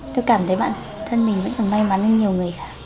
tôi cảm thấy bản thân mình vẫn còn may mắn hơn nhiều người khác